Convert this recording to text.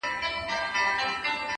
کار د استعداد بشپړونکی دی!.